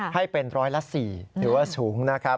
ให้เป็นร้อยละ๔ถือว่าสูงนะครับ